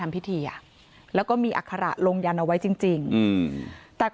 ไม่ไหวก็นอนเถอะยุทธนาเอ้ย